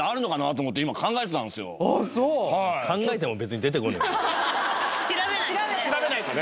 はい調べないとね